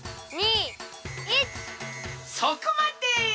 そこまで！